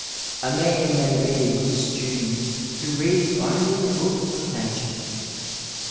A man may be a good student who reads only the book of nature.